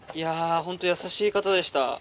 ホント優しい方でした。